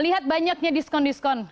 lihat banyaknya diskon diskon